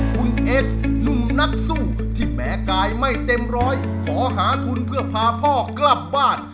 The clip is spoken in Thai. คุณเอสหนุ่มนักสู้ที่แม้กายไม่เต็มร้อยขอหาทุนเพื่อพาพ่อกลับบ้าน